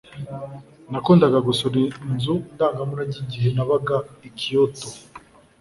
Nakundaga gusura inzu ndangamurage igihe nabaga i Kyoto